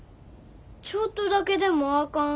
ちょっとだけでもあかん？